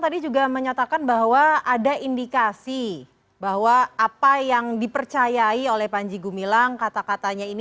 tadi juga menyatakan bahwa ada indikasi bahwa apa yang dipercayai oleh panji gumilang kata katanya ini